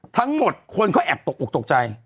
ทั้งหมดคนเขาแอบตกออกตกใจ